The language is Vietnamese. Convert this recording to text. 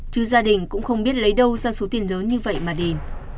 chứ gia đình cũng không biết lấy đâu ra số tiền lớn như vậy mà điền